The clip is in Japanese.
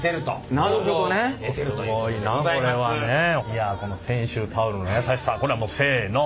いやこの泉州タオルの優しさこれはもうせの。